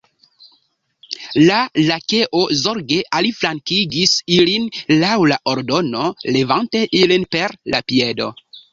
La Lakeo zorge aliflankigis ilin laŭ la ordono, levante ilin per la piedo.